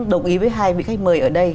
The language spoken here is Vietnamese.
đồng ý với hai vị khách mời ở đây